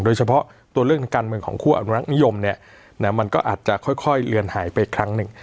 โดยเฉพาะตัวเรื่องทางการเมืองของคู่อนุรักษ์นิยมเนี่ยมันก็อาจจะค่อยเลือนหายไปครั้งหนึ่ง